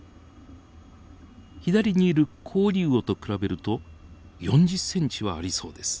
左にいるコオリウオと比べると４０ｃｍはありそうです。